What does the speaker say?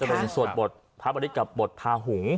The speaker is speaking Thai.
จะเป็นส่วนบทภาพบริกับบทภาหุง